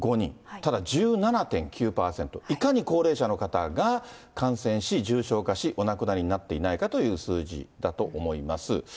ただ１７．９％、いかに高齢者の方が感染し、重症化し、お亡くなりになっていないかという数字だと思います。